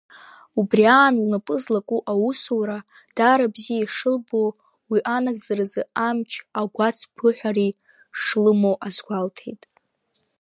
Убри аан лнапы злаку аусура даара бзиа ишылбо, уи анагӡаразы амч агәацԥыҳәареи шлымоу азгәалҭеит.